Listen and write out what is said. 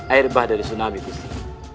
air bah dari tsunami ini